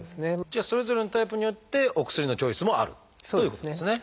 じゃあそれぞれのタイプによってお薬のチョイスもあるということですね。